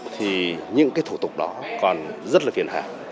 thì những cái thủ tục đó còn rất là phiền hạ